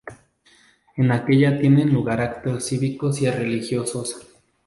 En ella tienen lugar actos cívicos y religiosos.